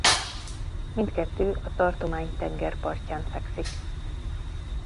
Mindkettő a tartomány tengerpartján fekszik.